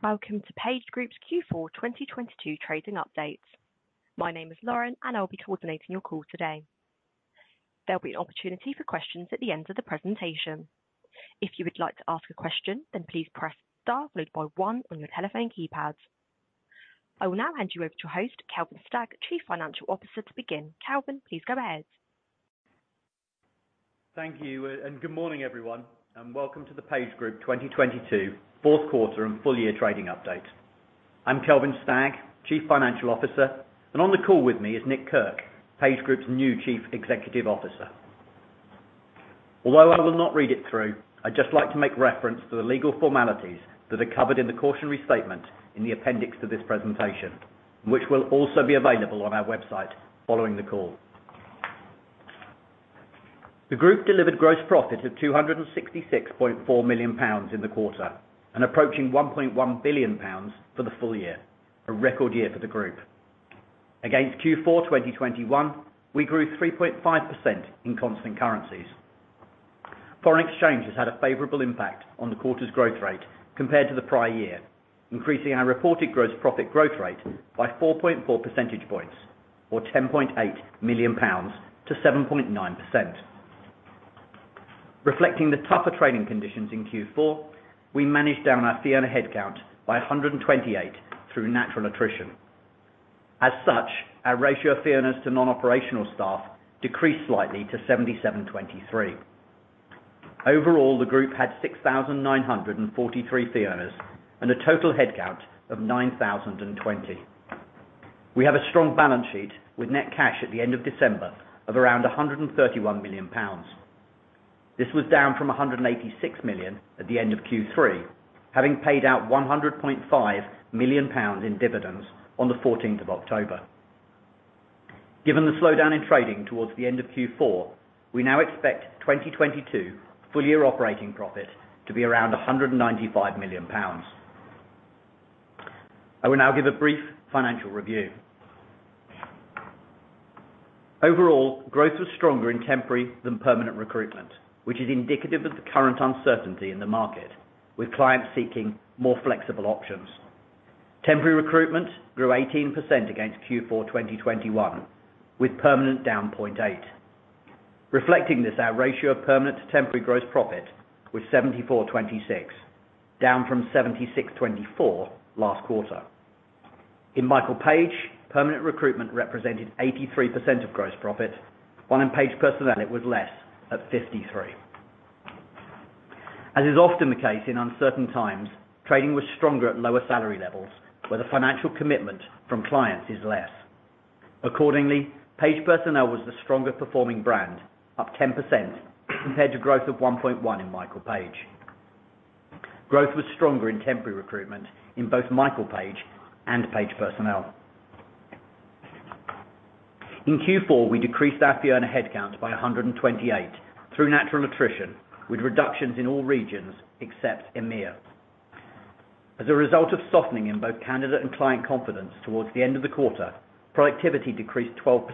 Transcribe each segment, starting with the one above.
Hello, welcome to PageGroup's Q4 2022 trading update. My name is Lauren, and I'll be coordinating your call today. There'll be an opportunity for questions at the end of the presentation. If you would like to ask a question, then please press * followed by 1 on your telephone keypad. I will now hand you over to your host, Kelvin Stagg, Chief Financial Officer to begin. Kelvin, please go ahead. Thank you, good morning, everyone, and welcome to the PageGroup 2022 Q4 and full year trading update. I'm Kelvin Stagg, Chief Financial Officer, and on the call with me is Nick Kirk, PageGroup's new Chief Executive Officer. Although I will not read it through, I'd just like to make reference to the legal formalities that are covered in the cautionary statement in the appendix to this presentation, which will also be available on our website following the call. The group delivered gross profit of 266.4 million pounds in the quarter, and approaching 1.1 billion pounds for the full year, a record year for the group. Against Q4 2021, we grew 3.5% in constant currencies. Foreign exchange has had a favorable impact on the quarter's growth rate compared to the prior year, increasing our reported gross profit growth rate by 4.4 percentage points or 10.8 million pounds to 7.9%. Reflecting the tougher trading conditions in Q4, we managed down our fee earner headcount by 128 through natural attrition. As such, our ratio of fee earners to non-operational staff decreased slightly to 77.23. Overall, the group had 6,943 fee earners and a total headcount of 9,020. We have a strong balance sheet with net cash at the end of December of around 131 million pounds. This was down from 186 million at the end of Q3, having paid out 100.5 million pounds in dividends on the 14th of October. Given the slowdown in trading towards the end of Q4, we now expect 2022 full year operating profit to be around 195 million pounds. I will now give a brief financial review. Overall, growth was stronger in temporary than permanent recruitment, which is indicative of the current uncertainty in the market, with clients seeking more flexible options. Temporary recruitment grew 18% against Q4 2021, with permanent down 0.8%. Reflecting this, our ratio of permanent to temporary gross profit was 74.26%, down from 76.24% last quarter. In Michael Page, permanent recruitment represented 83% of gross profit, while in Page Personnel it was less, at 53%. As is often the case in uncertain times, trading was stronger at lower salary levels, where the financial commitment from clients is less. Accordingly, Page Personnel was the stronger performing brand, up 10% compared to growth of 1.1% in Michael Page. Growth was stronger in temporary recruitment in both Michael Page and Page Personnel. In Q4, we decreased our fee earner headcount by 128 through natural attrition, with reductions in all regions except EMEA. As a result of softening in both candidate and client confidence towards the end of the quarter, productivity decreased 12%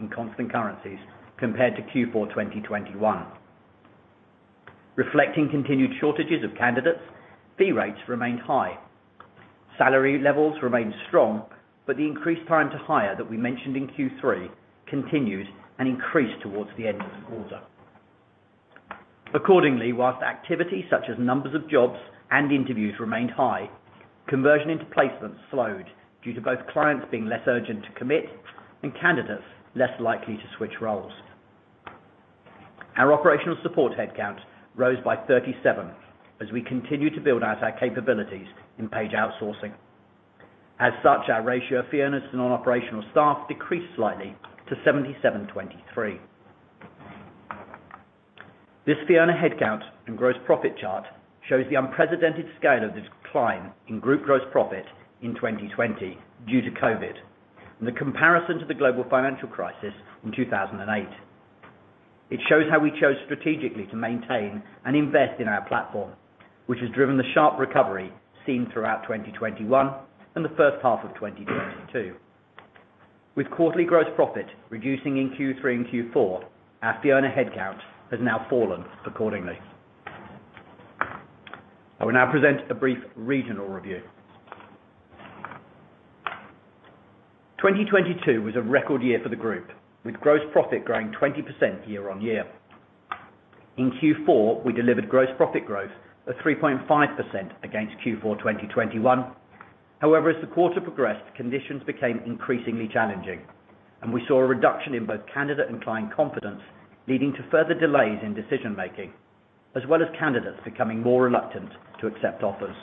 in constant currencies compared to Q4 2021. Reflecting continued shortages of candidates, fee rates remained high. Salary levels remained strong, but the increased time to hire that we mentioned in Q3 continues and increased towards the end of the quarter. While activity such as numbers of jobs and interviews remained high, conversion into placements slowed due to both clients being less urgent to commit and candidates less likely to switch roles. Our operational support headcount rose by 37 as we continue to build out our capabilities in Page Outsourcing. Our ratio of fee earners and operational staff decreased slightly to 77.23. This fee earner headcount and gross profit chart shows the unprecedented scale of the decline in group gross profit in 2020 due to COVID, and the comparison to the global financial crisis in 2008. It shows how we chose strategically to maintain and invest in our platform, which has driven the sharp recovery seen throughout 2021 and the first half of 2022. With quarterly gross profit reducing in Q3 and Q4, our fee earner headcount has now fallen accordingly. I will now present a brief regional review. 2022 was a record year for the group, with gross profit growing 20% year-on-year. In Q4, we delivered gross profit growth of 3.5% against Q4 2021. However, as the quarter progressed, conditions became increasingly challenging, and we saw a reduction in both candidate and client confidence, leading to further delays in decision making, as well as candidates becoming more reluctant to accept offers.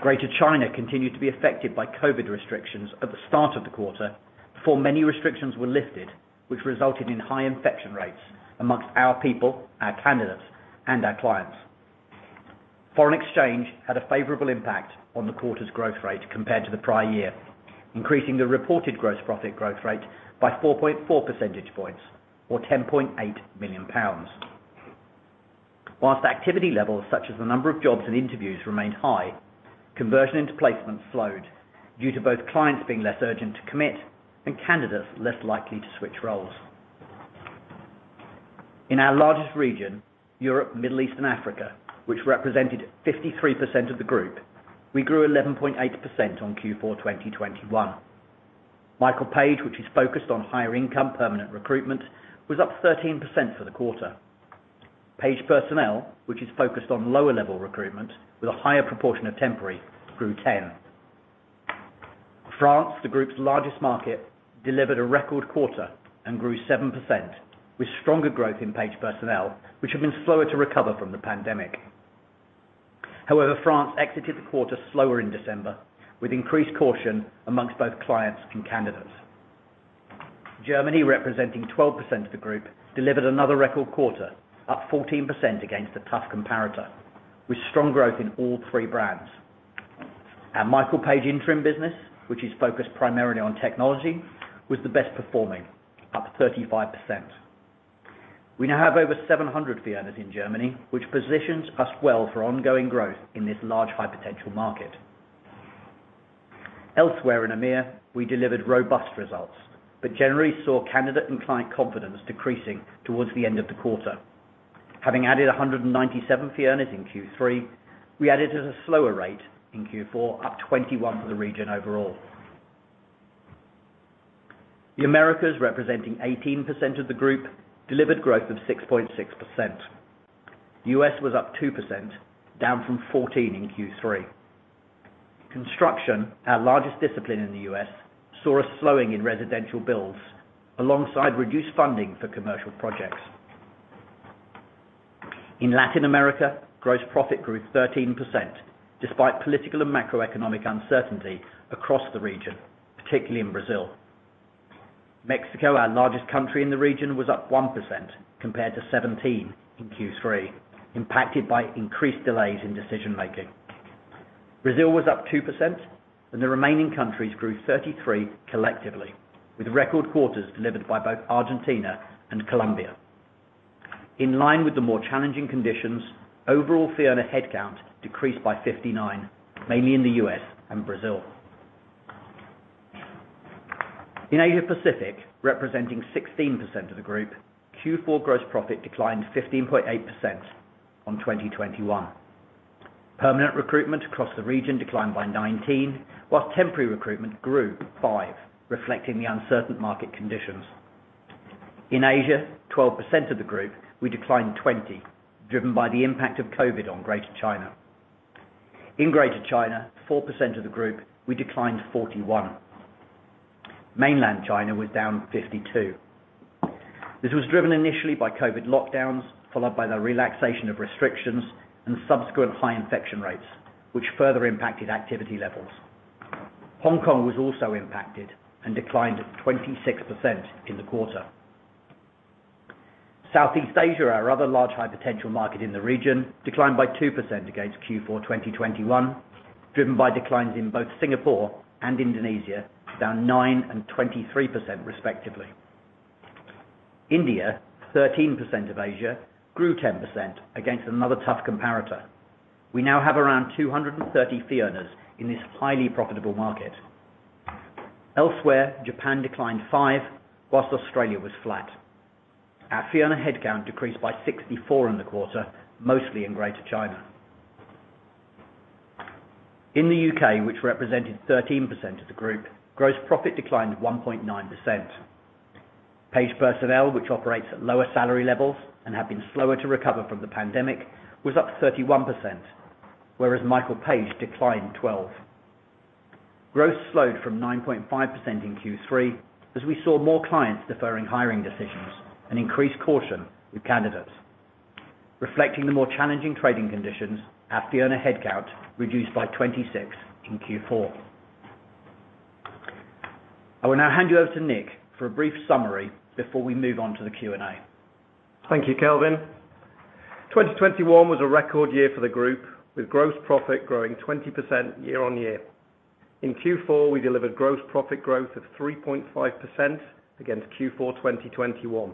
Greater China continued to be affected by COVID restrictions at the start of the quarter, before many restrictions were lifted, which resulted in high infection rates amongst our people, our candidates, and our clients. Foreign exchange had a favorable impact on the quarter's growth rate compared to the prior year, increasing the reported gross profit growth rate by 4.4 percentage points or 10.8 million pounds. Whilst activity levels such as the number of jobs and interviews remained high, conversion into placements flowed due to both clients being less urgent to commit and candidates less likely to switch roles. In our largest region, Europe, Middle East and Africa, which represented 53% of the group, we grew 11.8% on Q4 2021. Michael Page, which is focused on higher income permanent recruitment, was up 13% for the quarter. Page Personnel, which is focused on lower-level recruitment with a higher proportion of temporary, grew 10%. France, the group's largest market, delivered a record quarter and grew 7% with stronger growth in Page Personnel, which have been slower to recover from the pandemic. However, France exited the quarter slower in December, with increased caution amongst both clients and candidates. Germany, representing 12% of the group, delivered another record quarter, up 14% against a tough comparator with strong growth in all three brands. Our Michael Page Interim business, which is focused primarily on technology, was the best performing, up 35%. We now have over 700 fee earners in Germany, which positions us well for ongoing growth in this large high potential market. Elsewhere in EMEA, we delivered robust results, but generally saw candidate and client confidence decreasing towards the end of the quarter. Having added 197 fee earners in Q3, we added at a slower rate in Q4, up 21 for the region overall. The Americas, representing 18% of the group, delivered growth of 6.6%. US was up 2%, down from 14% in Q3. Construction, our largest discipline in the US, saw a slowing in residential builds alongside reduced funding for commercial projects. In Latin America, gross profit grew 13% despite political and macroeconomic uncertainty across the region, particularly in Brazil. Mexico, our largest country in the region, was up 1% compared to 17% in Q3, impacted by increased delays in decision-making. Brazil was up 2% and the remaining countries grew 33 collectively, with record quarters delivered by both Argentina and Colombia. In line with the more challenging conditions, overall fee earner headcount decreased by 59, mainly in the US and Brazil. In Asia Pacific, representing 16% of the group, Q4 gross profit declined 15.8% on 2021. Permanent recruitment across the region declined by 19, while temporary recruitment grew 5, reflecting the uncertain market conditions. In Asia, 12% of the group, we declined 20, driven by the impact of COVID on Greater China. In Greater China, 4% of the group, we declined 41. Mainland China was down 52. This was driven initially by COVID lockdowns, followed by the relaxation of restrictions and subsequent high infection rates, which further impacted activity levels. Hong Kong was also impacted and declined 26% in the quarter. Southeast Asia, our other large high potential market in the region, declined by 2% against Q4 2021, driven by declines in both Singapore and Indonesia, down 9% and 23% respectively. India, 13% of Asia, grew 10% against another tough comparator. We now have around 230 fee earners in this highly profitable market. Elsewhere, Japan declined 5% whilst Australia was flat. Our fee earner headcount decreased by 64% in the quarter, mostly in Greater China. In the U.K., which represented 13% of the group, gross profit declined 1.9%. Page Personnel, which operates at lower salary levels and have been slower to recover from the pandemic, was up 31%, whereas Michael Page declined 12%. Growth slowed from 9.5% in Q3 as we saw more clients deferring hiring decisions and increased caution with candidates. Reflecting the more challenging trading conditions, our fee earner headcount reduced by 26% in Q4. I will now hand you over to Nick for a brief summary before we move on to the Q&A. Thank you, Kelvin. 2021 was a record year for the group, with gross profit growing 20% year-on-year. In Q4, we delivered gross profit growth of 3.5% against Q4 2021.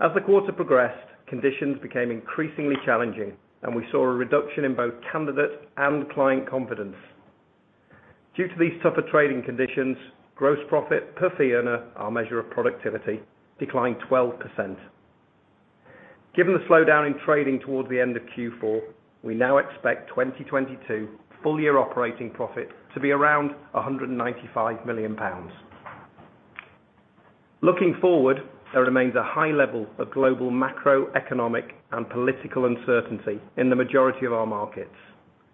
As the quarter progressed, conditions became increasingly challenging and we saw a reduction in both candidate and client confidence. Due to these tougher trading conditions, gross profit per fee earner, our measure of productivity, declined 12%. Given the slowdown in trading towards the end of Q4, we now expect 2022 full year operating profit to be around 195 million pounds. Looking forward, there remains a high level of global macroeconomic and political uncertainty in the majority of our markets.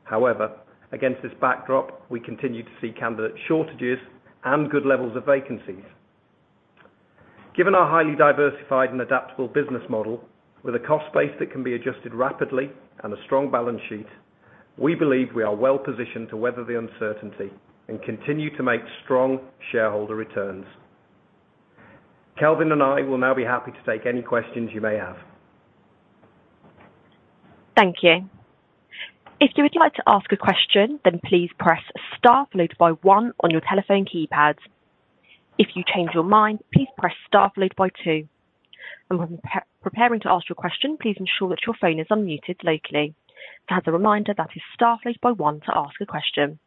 However, against this backdrop, we continue to see candidate shortages and good levels of vacancies. Given our highly diversified and adaptable business model, with a cost base that can be adjusted rapidly and a strong balance sheet, we believe we are well positioned to weather the uncertainty and continue to make strong shareholder returns. Kelvin and I will now be happy to take any questions you may have. Thank you. If you would like to ask a question, then please press * followed by 1 on your telephone keypad. If you change your mind, please press * followed by 2. When preparing to ask your question, please ensure that your phone is unmuted locally. As a reminder, that is star followed by 1 to ask a question.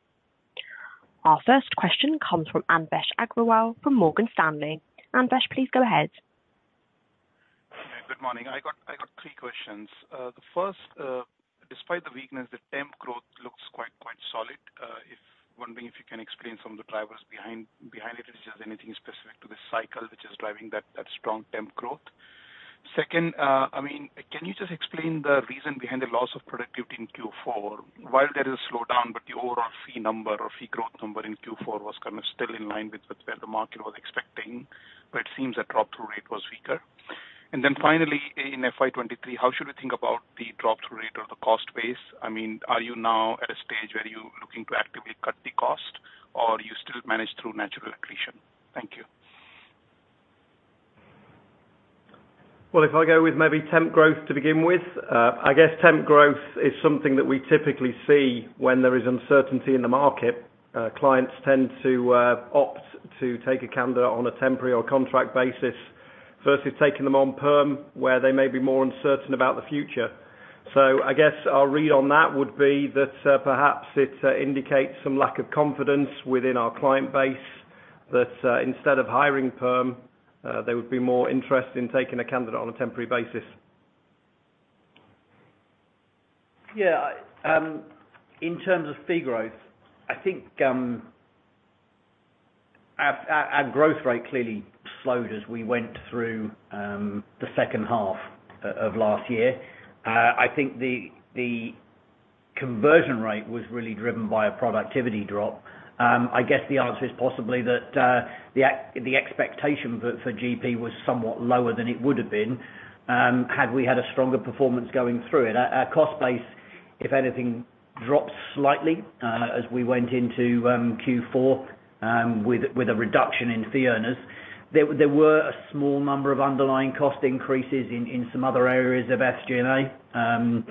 Our first question comes from Anvesh Agrawal from Morgan Stanley. Anvesh, please go ahead. Good morning. I got three questions. The first, despite the weakness, the temp growth looks quite solid. Wondering if you can explain some of the drivers behind it. Is there anything specific to this cycle which is driving that strong temp growth? Second, I mean, can you just explain the reason behind the loss of productivity in Q4, while there is a slowdown, but the overall fee number or fee growth number in Q4 was kind of still in line with where the market was expecting. It seems the drop-through rate was weaker. Finally, in FY2023, how should we think about the drop-through rate or the cost base? I mean, are you now at a stage where you're looking to actively cut the cost or you still manage through natural attrition? Thank you. Well, if I go with maybe temp growth to begin with, I guess temp growth is something that we typically see when there is uncertainty in the market. Clients tend to opt to take a candidate on a temporary or contract basis versus taking them on perm, where they may be more uncertain about the future. I guess our read on that would be that perhaps it indicates some lack of confidence within our client base that instead of hiring perm, they would be more interested in taking a candidate on a temporary basis. In terms of fee growth, I think, our growth rate clearly slowed as we went through the second half of last year. I think the conversion rate was really driven by a productivity drop. I guess the answer is possibly that the expectation for GP was somewhat lower than it would have been had we had a stronger performance going through it. Our cost base, if anything, dropped slightly, as we went into Q4, with a reduction in fee earners. There were a small number of underlying cost increases in some other areas of SG&A,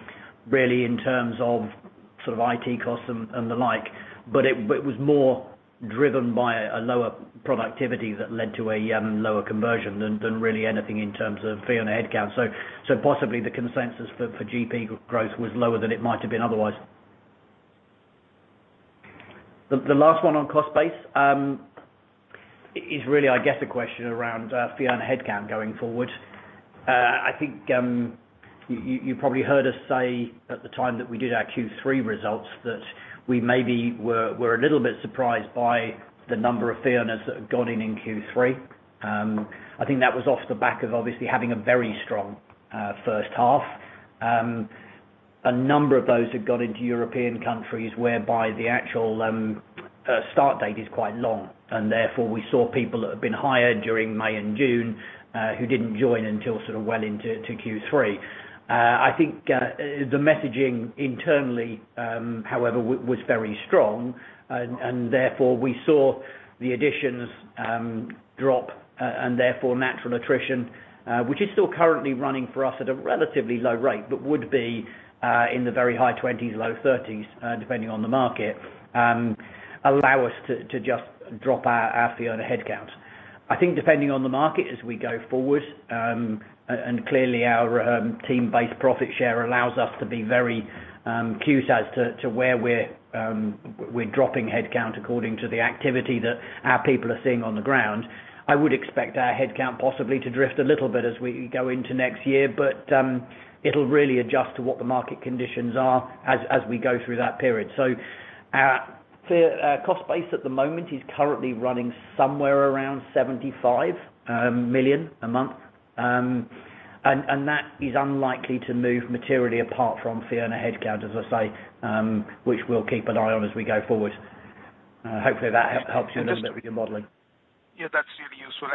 really in terms of sort of IT costs and the like. It was more driven by a lower productivity that led to a lower conversion than really anything in terms of fee earned headcount. Possibly the consensus for GP growth was lower than it might have been otherwise. The last one on cost base is really, I guess, a question around fee earned headcount going forward. I think you probably heard us say at the time that we did our Q3 results that we maybe were a little bit surprised by the number of fee earners that have gone in in Q3. I think that was off the back of obviously having a very strong first half. A number of those had gone into European countries whereby the actual start date is quite long, and therefore we saw people that had been hired during May and June, who didn't join until sort of well into, to Q3. I think the messaging internally, however, was very strong. Therefore we saw the additions drop, and therefore natural attrition, which is still currently running for us at a relatively low rate, but would be in the very high twenties, low thirties, depending on the market, allow us to just drop our fee on a headcount. I think depending on the market as we go forward, and clearly our team-based profit share allows us to be very cute as to where we're dropping headcount according to the activity that our people are seeing on the ground. I would expect our headcount possibly to drift a little bit as we go into next year, but it'll really adjust to what the market conditions are as we go through that period. Our fee cost base at the moment is currently running somewhere around 75 million a month. And that is unlikely to move materially apart from fee on a headcount, as I say, which we'll keep an eye on as we go forward. Hopefully that helps you a little bit with your modeling. Yeah, that's really useful.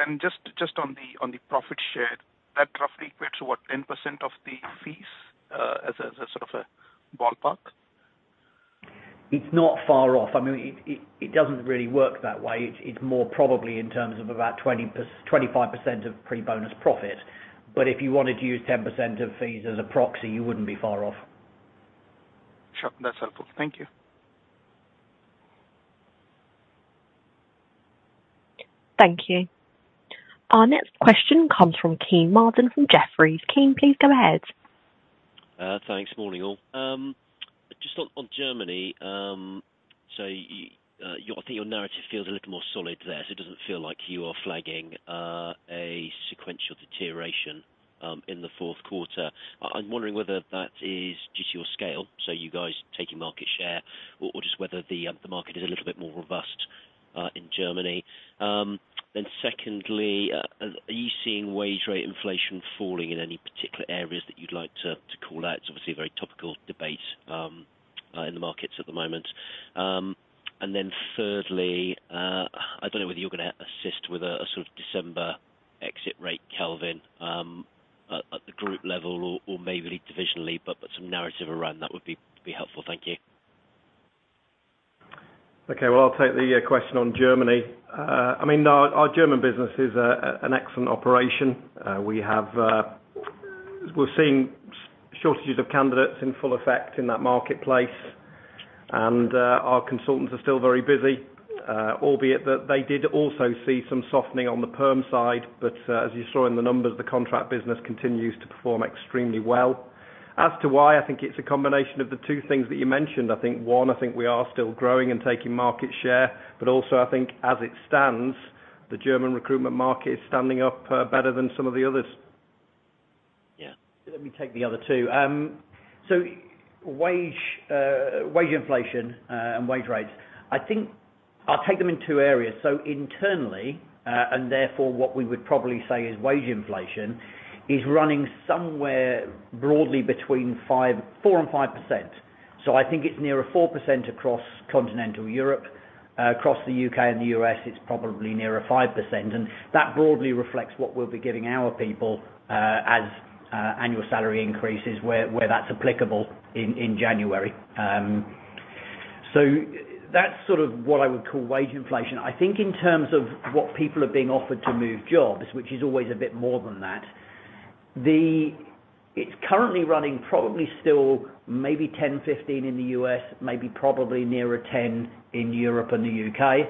Just on the profit shared, that roughly equates to, what, 10% of the fees, as sort of a ballpark? It's not far off. I mean, it doesn't really work that way. It's more probably in terms of about 25% of pre-bonus profit. If you wanted to use 10% of fees as a proxy, you wouldn't be far off. Sure. That's helpful. Thank you. Thank you. Our next question comes from Kean Marden from Jefferies. Kean, please go ahead. Thanks. Morning, all. Just on Germany, I think your narrative feels a little more solid there, it doesn't feel like you are flagging a sequential deterioration in the Q4. I'm wondering whether that is due to your scale, so you guys taking market share or just whether the market is a little bit more robust in Germany. Secondly, are you seeing wage rate inflation falling in any particular areas that you'd like to call out? It's obviously a very topical debate in the markets at the moment. Thirdly, I don't know whether you're gonna assist with a sort of December exit rate, Kelvin, at the group level or maybe divisionally, but put some narrative around that would be helpful. Thank you. Okay. Well, I'll take the question on Germany. I mean, our German business is an excellent operation. We have, we're seeing shortages of candidates in full effect in that marketplace. Our consultants are still very busy, albeit that they did also see some softening on the perm side. As you saw in the numbers, the contract business continues to perform extremely well. As to why I think it's a combination of the two things that you mentioned. I think, one, I think we are still growing and taking market share, but also I think as it stands, the German recruitment market is standing up, better than some of the others. Yeah. Let me take the other two. Wage inflation and wage rates. I think I'll take them in two areas. Internally, and therefore what we would probably say is wage inflation is running somewhere broadly between 4% and 5%. I think it's near a 4% across continental Europe. Across the U.K. and the U.S., it's probably near a 5%. That broadly reflects what we'll be giving our people as annual salary increases where that's applicable in January. That's sort of what I would call wage inflation. I think in terms of what people are being offered to move jobs, which is always a bit more than that, it's currently running probably still maybe 10-15 in the U.S., maybe probably nearer 10 in Europe and the U.K.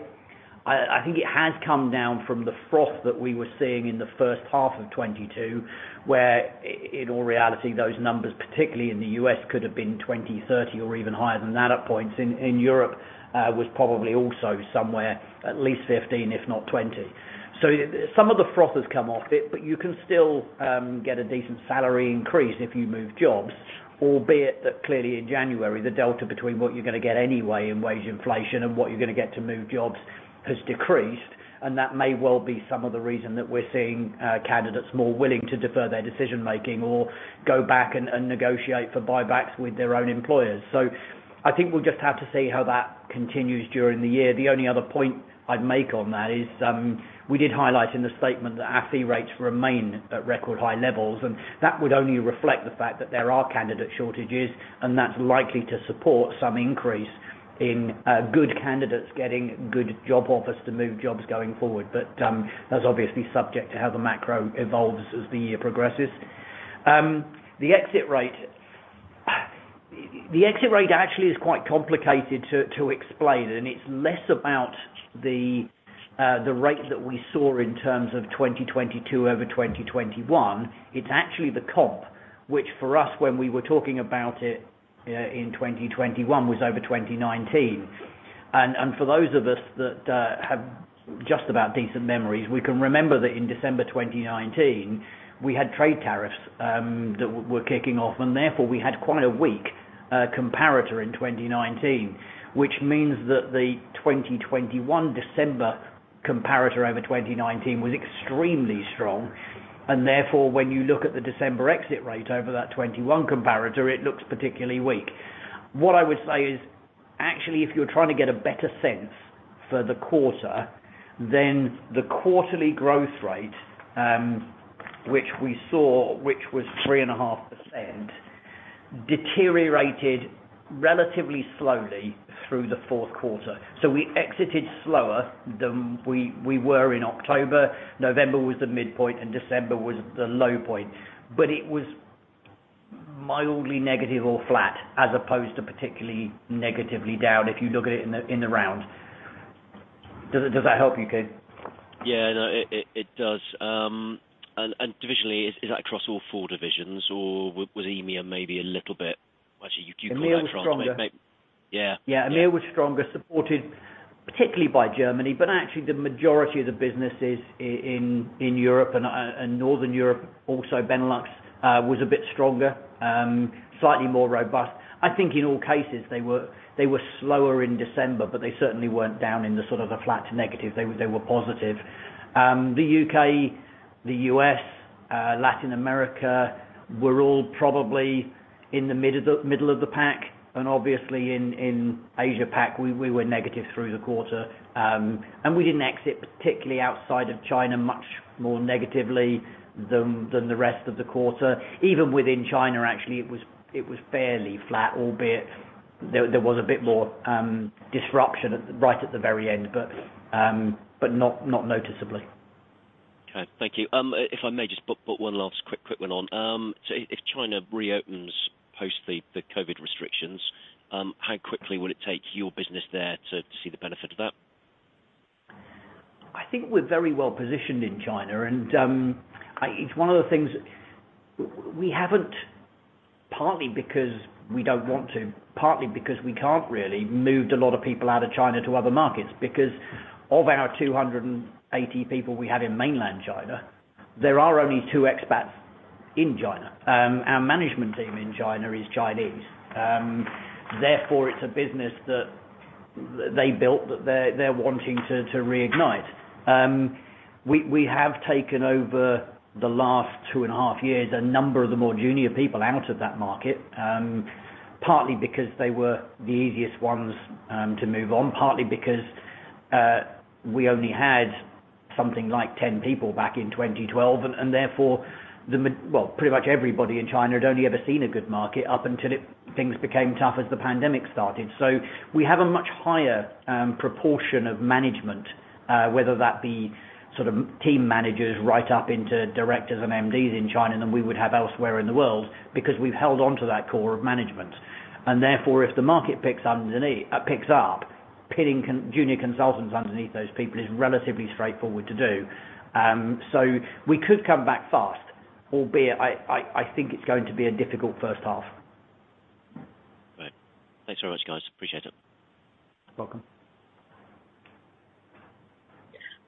I think it has come down from the froth that we were seeing in the first half of 2022, where in all reality, those numbers, particularly in the U.S., could have been 20%, 30% or even higher than that at points. In Europe was probably also somewhere at least 15%, if not 20%. Some of the froth has come off it, but you can still get a decent salary increase if you move jobs. Albeit that clearly in January, the delta between what you're gonna get anyway in wage inflation and what you're gonna get to move jobs has decreased. That may well be some of the reason that we're seeing candidates more willing to defer their decision-making or go back and negotiate for buybacks with their own employers. I think we'll just have to see how that continues during the year. The only other point I'd make on that is, we did highlight in the statement that our fee rates remain at record high levels, and that would only reflect the fact that there are candidate shortages, and that's likely to support some increase in good candidates getting good job offers to move jobs going forward. That's obviously subject to how the macro evolves as the year progresses. The exit rate. The exit rate actually is quite complicated to explain, and it's less about the rate that we saw in terms of 2022 over 2021. It's actually the comp, which for us when we were talking about it, in 2021 was over 2019. For those of us that have just about decent memories, we can remember that in December 2019, we had trade tariffs that were kicking off, and therefore we had quite a weak comparator in 2019, which means that the 2021 December comparator over 2019 was extremely strong. Therefore, when you look at the December exit rate over that 2021 comparator, it looks particularly weak. What I would say is, actually, if you're trying to get a better sense for the quarter, then the quarterly growth rate which we saw, which was 3.5%, deteriorated relatively slowly through the Q4. We exited slower than we were in October. November was the midpoint, and December was the low point. It was mildly negative or flat as opposed to particularly negatively down if you look at it in the round. Does that help you, Kean? Yeah. No, it does. Divisionally, is that across all four divisions or was EMEA maybe a little bit. Actually, you can call that from. EMEA was stronger. Yeah. Yeah. EMEA was stronger, supported particularly by Germany. Actually the majority of the businesses in Europe and Northern Europe, also Benelux, was a bit stronger, slightly more robust. I think in all cases they were slower in December, but they certainly weren't down in the sort of the flat to negative. They were positive. The U.K., the U.S., Latin America were all probably in the middle of the pack. Obviously in Asia Pac, we were negative through the quarter. We didn't exit, particularly outside of China, much more negatively than the rest of the quarter. Even within China, actually it was fairly flat, albeit there was a bit more disruption right at the very end, but not noticeably. Okay. Thank you. If I may just put one last quick one on. If China reopens post the COVID restrictions, how quickly will it take your business there to see the benefit of that? I think we're very well-positioned in China, and it's one of the things we haven't, partly because we don't want to, partly because we can't really, moved a lot of people out of China to other markets because of our 280 people we have in mainland China, there are only 2 expats in China. Our management team in China is Chinese. Therefore, it's a business that they built that they're wanting to reignite. We have taken over the last 2.5 years, a number of the more junior people out of that market, partly because they were the easiest ones to move on. Partly because, we only had something like 10 people back in 2012 and, well, pretty much everybody in China had only ever seen a good market up until things became tough as the pandemic started. We have a much higher proportion of management, whether that be sort of team managers right up into directors and MDs in China than we would have elsewhere in the world because we've held onto that core of management. Therefore, if the market picks up, pinning junior consultants underneath those people is relatively straightforward to do. We could come back fast, albeit I, I think it's going to be a difficult first half. Thanks very much, guys. Appreciate it. Welcome.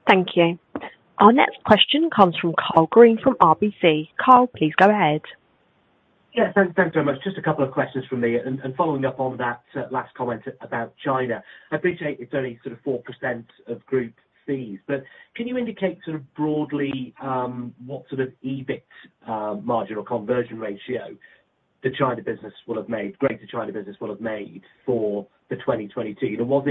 Thank you. Our next question comes from Karl Green from RBC. Karl, please go ahead. Yes, thanks very much. Just a couple of questions from me, following up on that last comment about China. I appreciate it's only sort of 4% of group fees, but can you indicate sort of broadly what sort of EBIT margin or conversion ratio the Greater China business will have made for 2022? Was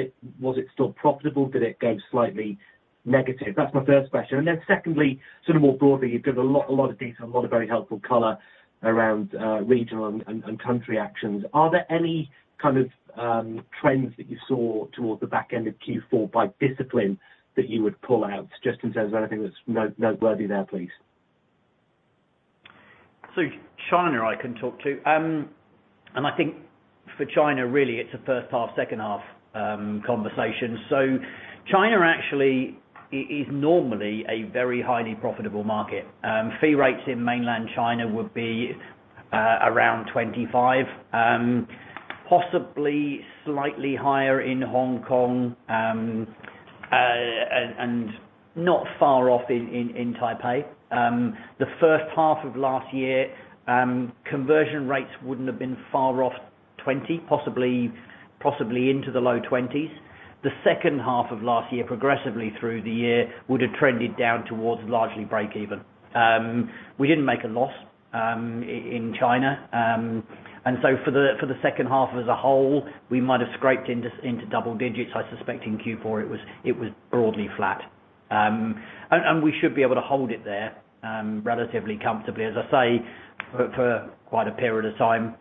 it still profitable? Did it go slightly negative? That's my first question. Secondly, sort of more broadly, you've given a lot of detail and a lot of very helpful color around regional and country actions. Are there any kind of trends that you saw towards the back end of Q4 by discipline that you would call out, just in terms of anything that's noteworthy there, please? China, I can talk to. I think for China, really, it's a first half, second half conversation. China actually is normally a very highly profitable market. Fee rates in mainland China would be around 25, possibly slightly higher in Hong Kong, and not far off in Taipei. The first half of last year, conversion rates wouldn't have been far off 20, possibly into the low 20s. The second half of last year, progressively through the year, would have trended down towards largely break even. We didn't make a loss in China. For the second half as a whole, we might have scraped into double digits. I suspect in Q4 it was broadly flat. We should be able to hold it there, relatively comfortably, as I say, for quite a period of time,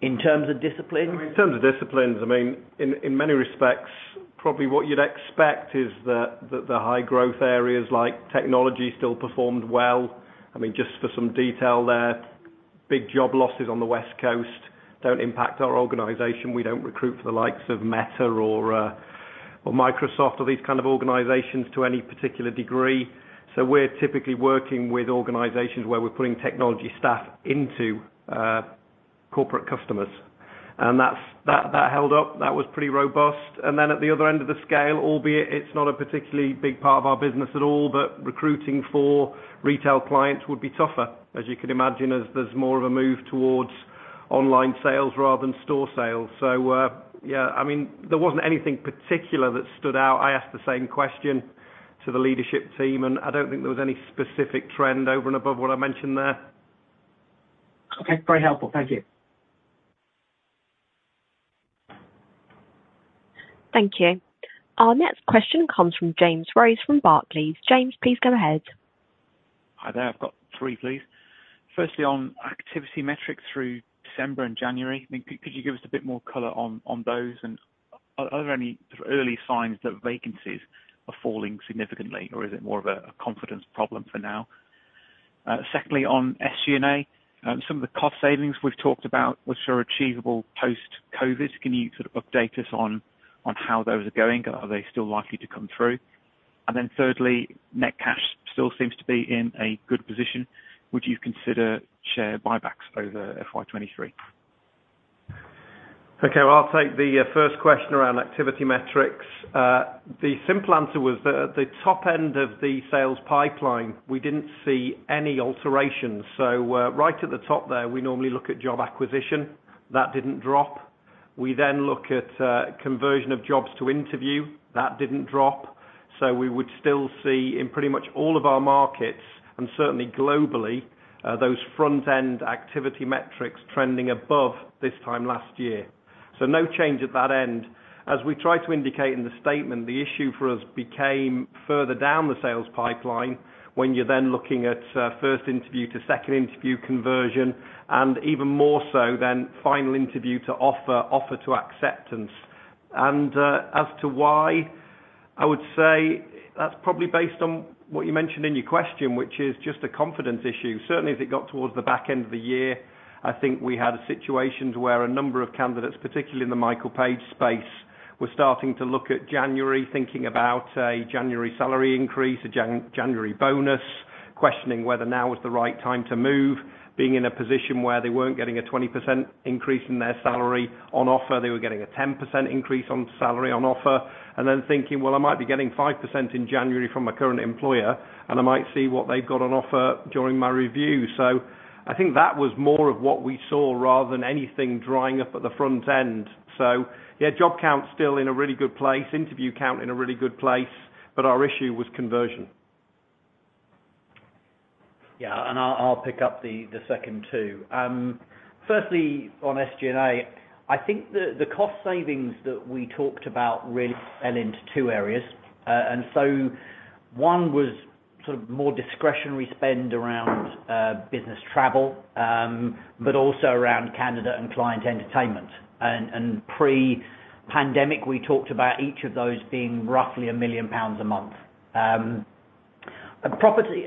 in terms of discipline. In terms of disciplines, I mean, in many respects, probably what you'd expect is that the high growth areas like technology still performed well. I mean, just for some detail there, big job losses on the West Coast don't impact our organization. We don't recruit for the likes of Meta or Microsoft or these kind of organizations to any particular degree. We're typically working with organizations where we're putting technology staff into corporate customers. That's, that held up. That was pretty robust. Then at the other end of the scale, albeit it's not a particularly big part of our business at all, but recruiting for retail clients would be tougher, as you can imagine, as there's more of a move towards online sales rather than store sales. Yeah, I mean, there wasn't anything particular that stood out. I asked the same question to the leadership team, and I don't think there was any specific trend over and above what I mentioned there. Okay. Very helpful. Thank you. Thank you. Our next question comes from James Rose from Barclays. James, please go ahead. Hi there. I've got three, please. Firstly, on activity metrics through December and January, I mean, could you give us a bit more color on those? Are there any sort of early signs that vacancies are falling significantly, or is it more of a confidence problem for now? Secondly, on SG&A, some of the cost savings we've talked about, which are achievable post-COVID, can you sort of update us on how those are going? Are they still likely to come through? Thirdly, net cash still seems to be in a good position. Would you consider share buybacks over FY 2023? Okay. Well, I'll take the first question around activity metrics. The simple answer was that at the top end of the sales pipeline, we didn't see any alterations. Right at the top there, we normally look at job acquisition. That didn't drop. We then look at conversion of jobs to interview. That didn't drop. We would still see in pretty much all of our markets, and certainly globally, those front-end activity metrics trending above this time last year. No change at that end. As we try to indicate in the statement, the issue for us became further down the sales pipeline when you're then looking at first interview to second interview conversion, and even more so than final interview to offer to acceptance. As to why, I would say that's probably based on what you mentioned in your question, which is just a confidence issue. Certainly as it got towards the back end of the year, I think we had situations where a number of candidates, particularly in the Michael Page space, were starting to look at January thinking about a January salary increase, a January bonus, questioning whether now was the right time to move, being in a position where they weren't getting a 20% increase in their salary on offer. They were getting a 10% increase on salary on offer, then thinking, "Well, I might be getting 5% in January from my current employer, and I might see what they've got on offer during my review." I think that was more of what we saw rather than anything drying up at the front end. Yeah, job count's still in a really good place, interview count in a really good place, but our issue was conversion. Yeah, I'll pick up the second two. Firstly, on SG&A, I think the cost savings that we talked about really fell into two areas. One was sort of more discretionary spend around business travel, but also around candidate and client entertainment. Pre-pandemic, we talked about each of those being roughly 1 million pounds a month. Property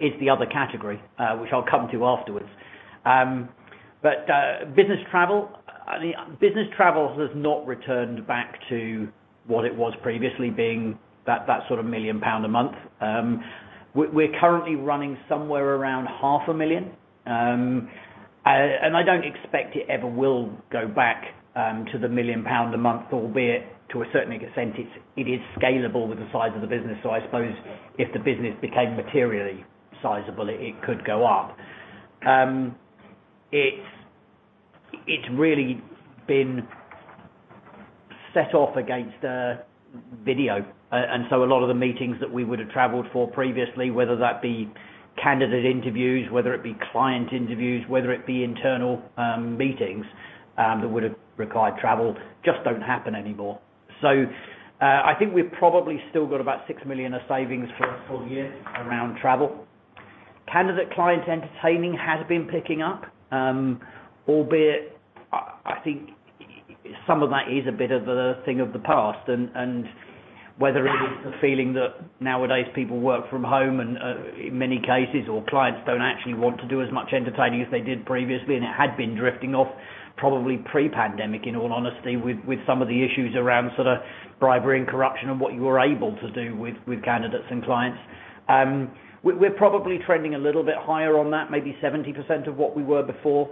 is the other category, which I'll come to afterwards. Business travel, I think business travel has not returned back to what it was previously being that sort of 1 million pound a month. We're currently running somewhere around half a million. I don't expect it ever will go back to the 1 million pound a month, albeit to a certain extent it is scalable with the size of the business. I suppose if the business became materially sizable it could go up. It's really been set off against video. A lot of the meetings that we would have traveled for previously, whether that be candidate interviews, whether it be client interviews, whether it be internal meetings that would have required travel, just don't happen anymore. I think we've probably still got about 6 million of savings for a full year around travel. Candidate client entertaining has been picking up, albeit I think some of that is a bit of a thing of the past and whether it is the feeling that nowadays people work from home and in many cases, or clients don't actually want to do as much entertaining as they did previously, and it had been drifting off probably pre-pandemic, in all honesty, with some of the issues around sort of bribery and corruption and what you were able to do with candidates and clients. We're probably trending a little bit higher on that, maybe 70% of what we were before,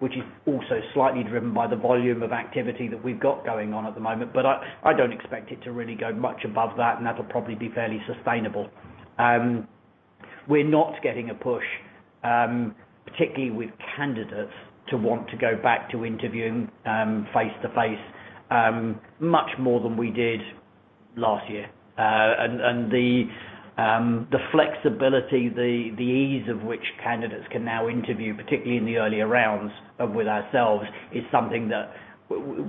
which is also slightly driven by the volume of activity that we've got going on at the moment. I don't expect it to really go much above that, and that'll probably be fairly sustainable. We're not getting a push, particularly with candidates to want to go back to interviewing, face-to-face, much more than we did last year. The flexibility, the ease of which candidates can now interview, particularly in the earlier rounds, with ourselves, is something that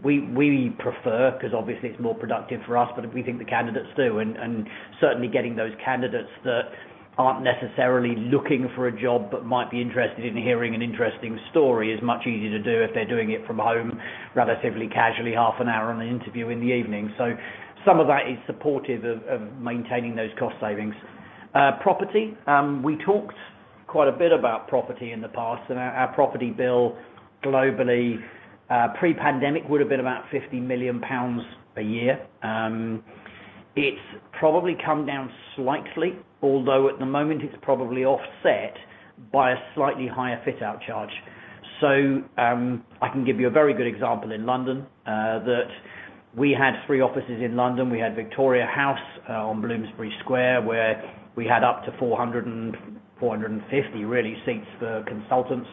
we prefer because obviously it's more productive for us, but we think the candidates do certainly getting those candidates that aren't necessarily looking for a job but might be interested in hearing an interesting story is much easier to do if they're doing it from home, relatively casually, half an hour on an interview in the evening. Some of that is supportive of maintaining those cost savings. Property. We talked quite a bit about property in the past and our property bill globally pre-pandemic would have been about 50 million pounds a year. It's probably come down slightly, although at the moment it's probably offset by a slightly higher fit-out charge. I can give you a very good example in London that we had three offices in London. We had Victoria House on Bloomsbury Square, where we had up to 400 and 450 really seats for consultants.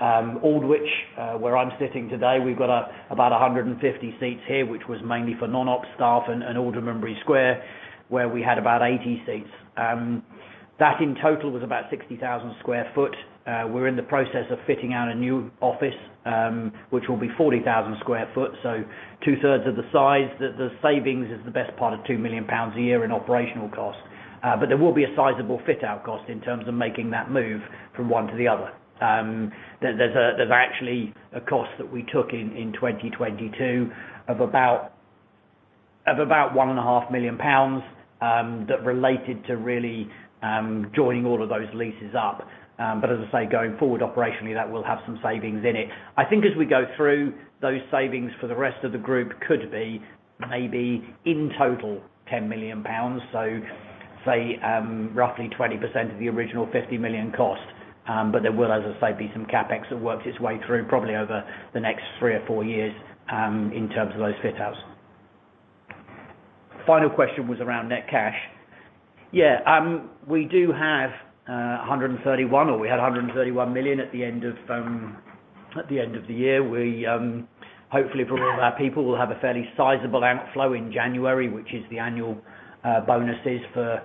Aldwych, where I'm sitting today, we've got about 150 seats here, which was mainly for non-ops staff and Aldermanbury Square, where we had about 80 seats. That in total was about 60,000 sq ft. We're in the process of fitting out a new office, which will be 40,000 sq ft, so two-thirds of the size. The savings is the best part of 2 million pounds a year in operational costs. There will be a sizable fit-out cost in terms of making that move from one to the other. There's actually a cost that we took in 2022 of about one and a half million pounds that related to really joining all of those leases up. As I say, going forward operationally, that will have some savings in it. I think as we go through those savings for the rest of the group could be maybe in total 10 million pounds, so say, roughly 20% of the original 50 million cost. There will, as I say, be some CapEx that works its way through probably over the next three or four years, in terms of those fit-outs. Final question was around net cash. Yeah, we do have, 131, or we had 131 million at the end of, at the end of the year. We, hopefully for all of our people will have a fairly sizable outflow in January, which is the annual, bonuses for,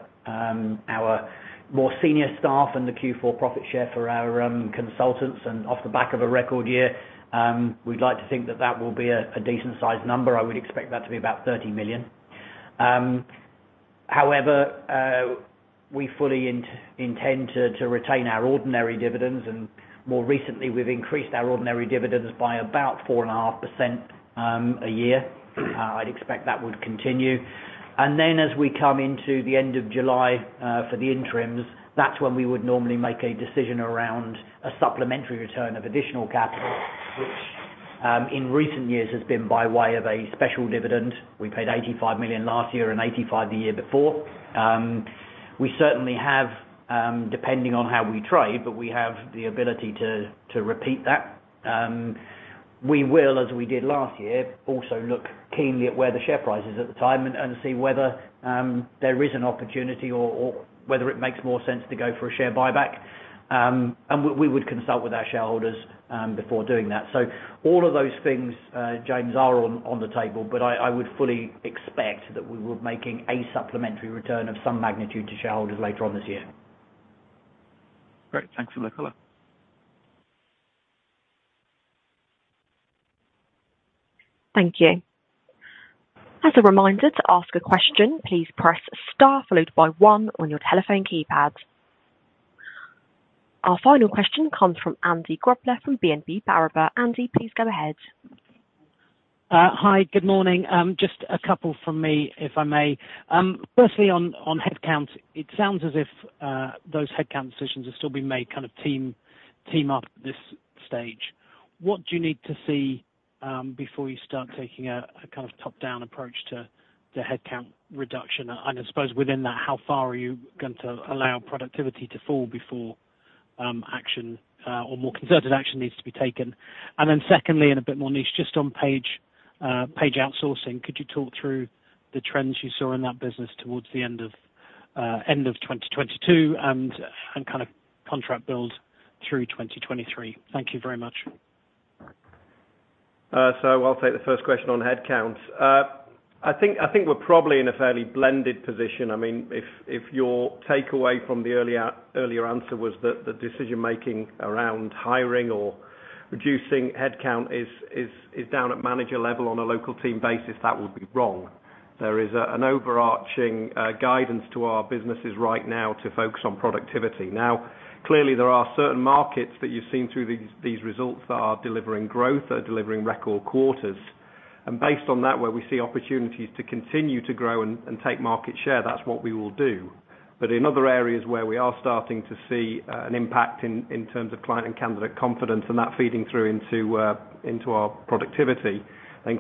our more senior staff and the Q4 profit share for our, consultants off the back of a record year. We'd like to think that that will be a decent sized number. I would expect that to be about 30 million. However, we fully intend to retain our ordinary dividends and more recently we've increased our ordinary dividends by about 4.5% a year. I'd expect that would continue. As we come into the end of July, for the interims, that's when we would normally make a decision around a supplementary return of additional capital, which in recent years has been by way of a special dividend. We paid 85 million last year and 85 million the year before. We certainly have, depending on how we trade, but we have the ability to repeat that. We will, as we did last year, also look keenly at where the share price is at the time and see whether there is an opportunity or whether it makes more sense to go for a share buyback. We would consult with our shareholders, before doing that. All of those things, James, are on the table, but I would fully expect that we will be making a supplementary return of some magnitude to shareholders later on this year. Great. Thanks for the color. Thank you. As a reminder to ask a question, please press * followed by 1 on your telephone keypad. Our final question comes from Andy Grobler from BNP Paribas. Andy, please go ahead. Hi, good morning. Just a couple from me, if I may. Firstly on headcount, it sounds as if those headcount decisions are still being made kind of team up this stage. What do you need to see before you start taking a kind of top-down approach to headcount reduction? I suppose within that, how far are you going to allow productivity to fall before action or more concerted action needs to be taken? Secondly, and a bit more niche, just on Page Outsourcing, could you talk through the trends you saw in that business towards the end of 2022 and kind of contract build through 2023? Thank you very much. I'll take the first question on headcount. I think we're probably in a fairly blended position. I mean, if your takeaway from the earlier answer was that the decision-making around hiring or reducing headcount is down at manager level on a local team basis, that would be wrong. There is an overarching guidance to our businesses right now to focus on productivity. Clearly, there are certain markets that you've seen through these results that are delivering growth, that are delivering record quarters. Based on that, where we see opportunities to continue to grow and take market share, that's what we will do. In other areas where we are starting to see an impact in terms of client and candidate confidence and that feeding through into our productivity,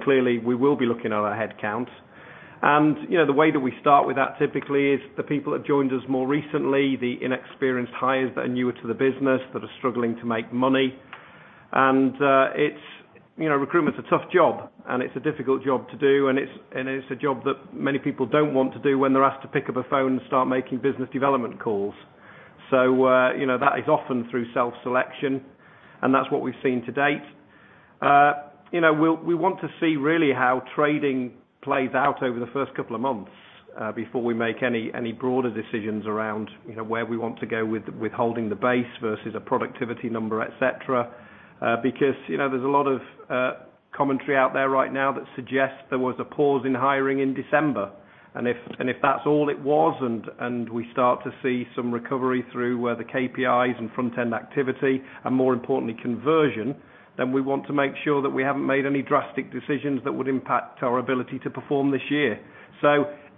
clearly we will be looking at our headcount. You know, the way that we start with that typically is the people that joined us more recently, the inexperienced hires that are newer to the business, that are struggling to make money. It's, you know, recruitment's a tough job, and it's a difficult job to do, and it's a job that many people don't want to do when they're asked to pick up a phone and start making business development calls. You know, that is often through self-selection, and that's what we've seen to date. You know, we want to see really how trading plays out over the first couple of months, before we make any broader decisions around, you know, where we want to go with holding the base versus a productivity number, et cetera. Because, you know, there's a lot of commentary out there right now that suggests there was a pause in hiring in December. If that's all it was and we start to see some recovery through where the KPIs and front-end activity, and more importantly, conversion, then we want to make sure that we haven't made any drastic decisions that would impact our ability to perform this year.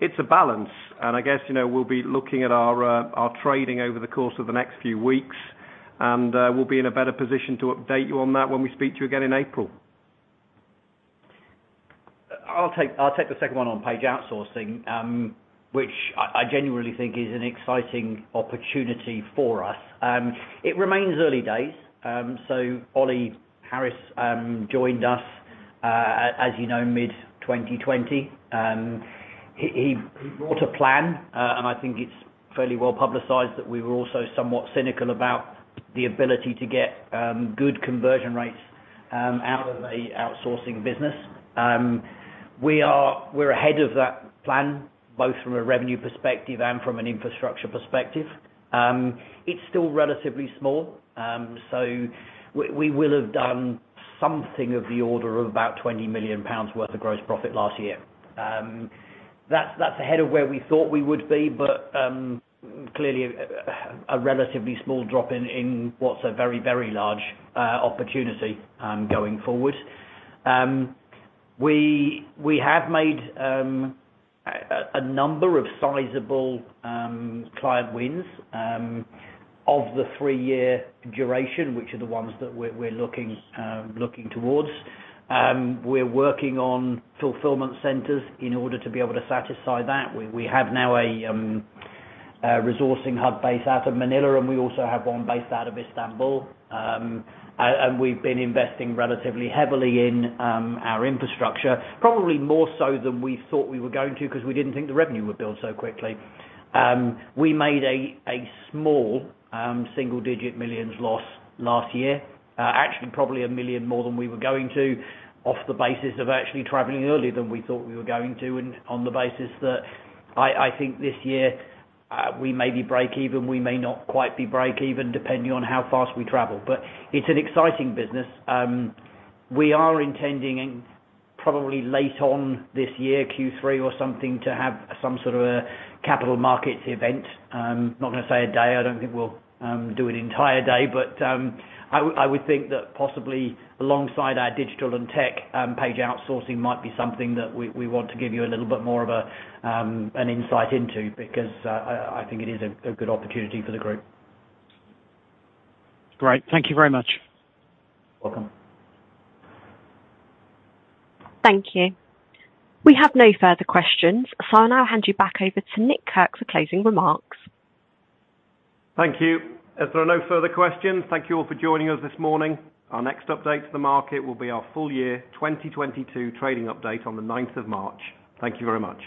It's a balance, and I guess, you know, we'll be looking at our trading over the course of the next few weeks, and we'll be in a better position to update you on that when we speak to you again in April. I'll take the second one on Page Outsourcing, which I genuinely think is an exciting opportunity for us. It remains early days. Oliver Harris joined us, as you know, mid-2020. He brought a plan, and I think it's fairly well-publicized that we were also somewhat cynical about the ability to get good conversion rates out of a outsourcing business. We're ahead of that plan, both from a revenue perspective and from an infrastructure perspective. It's still relatively small, so we will have done something of the order of about 20 million pounds worth of gross profit last year. That's ahead of where we thought we would be, but clearly a relatively small drop in what's a very, very large opportunity going forward. We have made a number of sizable client wins of the 3-year duration, which are the ones that we're looking towards. We're working on fulfillment centers in order to be able to satisfy that. We have now a resourcing hub base out of Manila, and we also have one based out of Istanbul. We've been investing relatively heavily in our infrastructure, probably more so than we thought we were going to because we didn't think the revenue would build so quickly. We made a small single-digit millions loss last year. Actually, probably 1 million more than we were going to, off the basis of actually traveling earlier than we thought we were going to, and on the basis that I think this year, we may be break even, we may not quite be break even, depending on how fast we travel. It's an exciting business. We are intending in probably late on this year, Q3 or something, to have some sort of a capital markets event. Not gonna say a day. I don't think we'll do an entire day. I would think that possibly alongside our digital and tech, Page Outsourcing might be something that we want to give you a little bit more of a, an insight into because, I think it is a good opportunity for PageGroup. Great. Thank you very much. Welcome. Thank you. We have no further questions. I'll now hand you back over to Nick Kirk for closing remarks. Thank you. As there are no further questions, thank you all for joining us this morning. Our next update to the market will be our full year 2022 trading update on the 9th of March. Thank you very much.